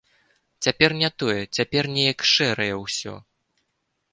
Цяпер не тое, цяпер неяк шэрае ўсё.